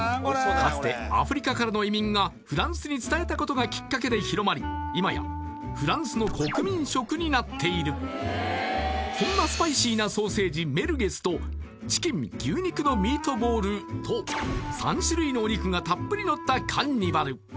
かつてアフリカからの移民がフランスに伝えたことがきっかけで広まり今やフランスの国民食になっているそんなスパイシーなソーセージメルゲスとチキン牛肉のミートボールと３種類のお肉がたっぷりのったカンニバル